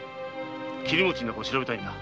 切餅の中を調べたいのだ。